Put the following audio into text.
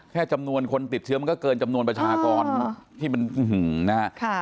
จำนวนคนติดเชื้อมันก็เกินจำนวนประชากรที่มันนะฮะ